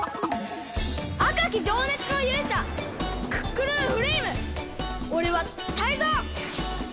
あかきじょうねつのゆうしゃクックルンフレイムおれはタイゾウ！